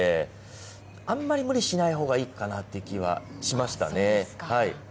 あんまり無理しないほうがいいかなっていう気はしましたね。